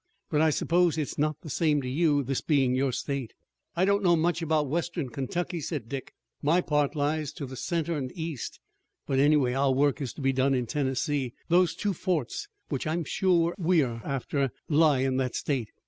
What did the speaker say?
But I suppose it's not the same to you, this being your state." "I don't know much about Western Kentucky," said Dick, "my part lies to the center and east, but anyway, our work is to be done in Tennessee. Those two forts, which I'm sure we're after, lie in that state."